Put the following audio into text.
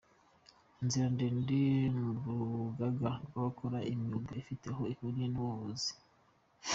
Inzira ndende mu rugaga rw’abakora imyuga ifite aho ihuriye n’ubuvuzi.